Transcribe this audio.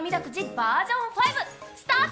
バージョン５スタート。